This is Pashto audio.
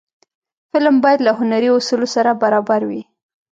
فلم باید له هنري اصولو سره برابر وي